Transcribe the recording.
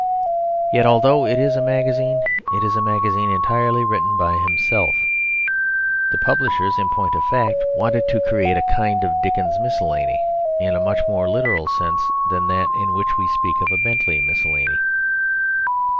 Yet although it is a magazine, it is a magazine entirely written by himself; the publishers, in point of fact, wanted to create a kind of Dickens Miscellany, in a much more literal sense than that in which we speak of a Bentley Miscellany.